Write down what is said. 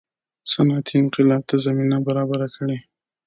صنعتي انقلاب ته زمینه برابره کړي.